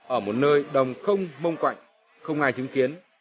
ở một nơi đồng không mông quạnh không ai chứng kiến